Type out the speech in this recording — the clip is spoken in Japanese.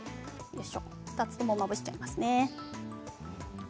２つともまぶしちゃいますね。